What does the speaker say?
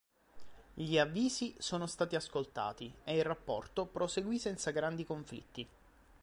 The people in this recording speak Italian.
Gli avvisi sono stati ascoltati e il rapporto proseguì senza grandi conflitti.